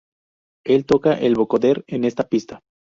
Él toca el vocoder en esta pista.